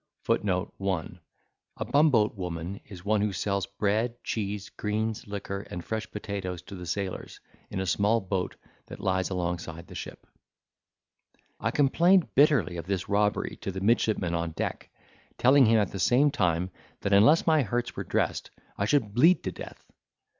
(1) A Bumboat woman is one who sells bread, cheese, greens, liquor, and fresh potatoes to the sailors, in a small boat that lies alongside the ship I complained bitterly of this robbery to the midshipman on deck, telling him at the same time, that unless my hurts were dressed, I should bleed to death.